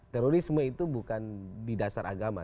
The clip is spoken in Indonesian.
terorisme itu bukan di dasar agama